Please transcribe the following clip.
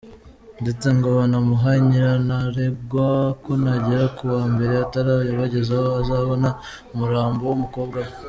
Ndetse ngo banamuha nyirantarengwa ko nagera kuwa mbere atarayabagezaho azabona umurambo w’umukobwa we.